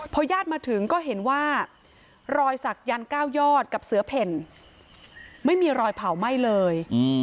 พอญาติมาถึงก็เห็นว่ารอยสักยันต์เก้ายอดกับเสือเพ่นไม่มีรอยเผาไหม้เลย